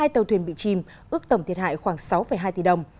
hai tàu thuyền bị chìm ước tổng thiệt hại khoảng sáu hai tỷ đồng